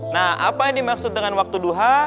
nah apa yang dimaksud dengan waktu duha